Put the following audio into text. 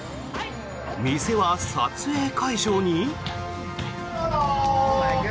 店は撮影会場に？